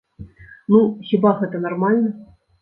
Ну, хіба гэта нармальна?